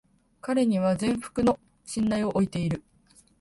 彼には全幅の信頼を置いている